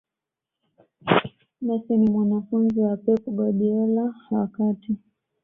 messi ni mwanafunzi wa pep guardiola wakati